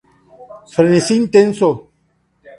Frenesí intenso.